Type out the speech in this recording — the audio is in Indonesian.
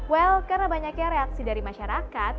well karena banyaknya reaksi dari masyarakat